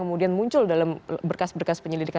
kemudian juga militer